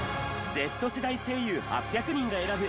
Ｚ世代声優８００人が選ぶ！